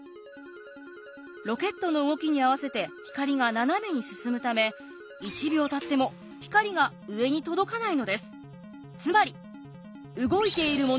ロケットの動きに合わせて光が斜めに進むため１秒たっても光が上に届かないのです。